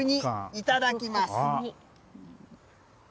いただきます。